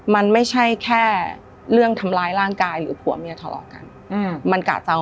มันไม่ธรรมดา